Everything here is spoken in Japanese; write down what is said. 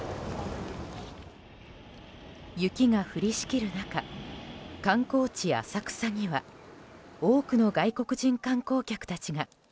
雪が降りしきる中観光地・浅草には多くの外国人観光客たちが。